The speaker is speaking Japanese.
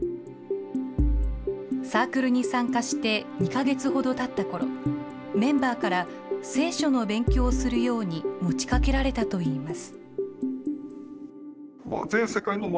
サークルに参加して２か月ほどたったころ、メンバーから聖書の勉強をするように持ちかけられたといいます。